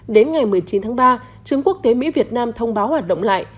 đến ngày một mươi chín tháng ba trường quốc tế mỹ việt nam thông báo hoạt động lại